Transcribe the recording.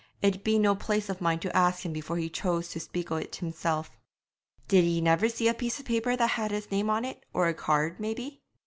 It'd be no place of mine to ask him before he chose to speak o' it himsel'.' 'Did ye never see a piece of paper that had his name on it, or a card, maybe?'